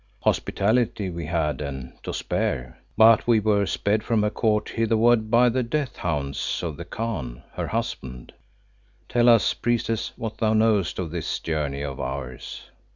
"Hospitality we had and to spare, but we were sped from her Court hitherward by the death hounds of the Khan, her husband. Tell us, Priestess, what thou knowest of this journey of ours."